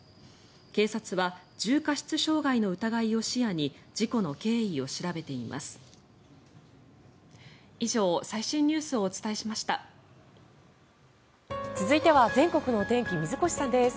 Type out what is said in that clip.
警察は重過失傷害の疑いを視野に事故の経緯を調べています。